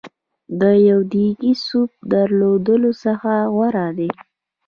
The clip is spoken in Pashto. له یوه ډېګي سوپ درلودلو څخه غوره دی.